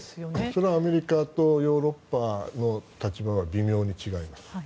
それはアメリカとヨーロッパの立場は微妙に違います。